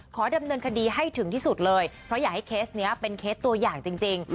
ขอดำเนินคดีให้ถึงที่สุดเลยเพราะอยากให้เคสนี้เป็นเคสตัวอย่างจริง